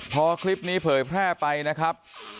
พอคลิปนี้เผยแพร่ไปนะครับ